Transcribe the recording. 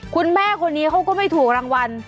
คุณแม่คนนี้เขาก็ไม่ถูกรางวัล